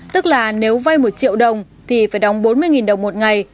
tức là nếu vay một triệu đồng thì phải đóng bốn mươi đồng một ngày